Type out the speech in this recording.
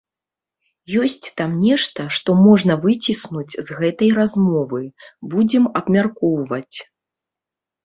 Ёсць там нешта, што можна выціснуць з гэтай размовы, будзем абмяркоўваць.